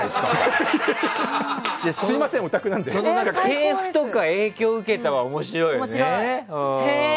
系譜とか影響を受けたとかは面白いよね。